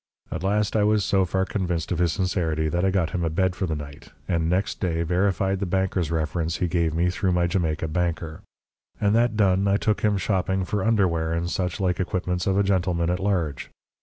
At last, I was so far convinced of his sincerity that I got him a bed for the night, and next day verified the banker's reference he gave me through my Jamaica banker. And that done, I took him shopping for underwear and such like equipments of a gentleman at large.